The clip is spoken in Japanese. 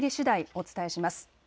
お伝えします。